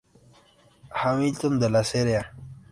Hamilton, la Sra.